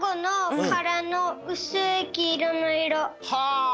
はあ！